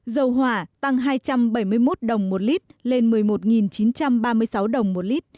dầu hỏa tăng hai trăm bảy mươi một đồng một lít lên một mươi một chín trăm ba mươi sáu đồng một lít